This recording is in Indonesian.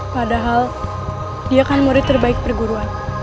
padahal dia kan murid terbaik perguruan